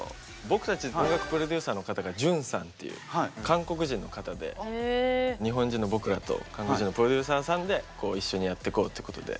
僕たち音楽プロデューサーの方がＪＵＮＥさんっていう韓国人の方で日本人の僕らと韓国人のプロデューサーさんでこう一緒にやってこうってことで。